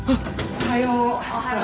おはよう。